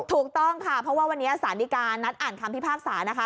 ถูกต้องค่ะเพราะว่าวันนี้สารดีการนัดอ่านคำพิพากษานะคะ